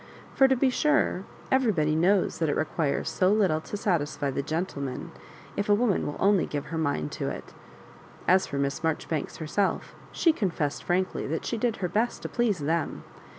For, to be sure, everybody knows that it requires so little to satisfy the gentlemen, if a woman will only give her mind to it Ajs for Miss Marjoribanks herself she confessed fhmkly that she did her best to please Them.